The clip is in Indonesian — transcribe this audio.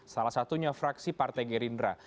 salah satunya fraksi partai gerindra